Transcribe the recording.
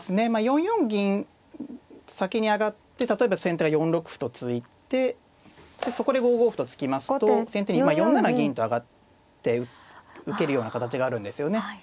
４四銀先に上がって例えば先手が４六歩と突いてそこで５五歩と突きますと先手にまあ４七銀と上がって受けるような形があるんですよね。